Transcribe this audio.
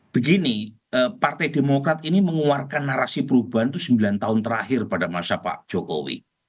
begini partai demokrat ini mengeluarkan narasi perubahan itu sembilan tahun terakhir pada masa pak jokowi